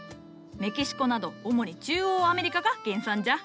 メキシコなど主に中央アメリカが原産じゃ。